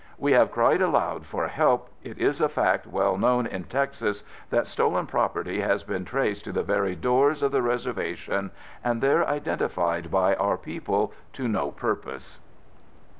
We have cried aloud for help.... It is a fact, well known in Texas, that stolen property has been traced to the very doors of the reservation and there identified by our people, to no purpose...."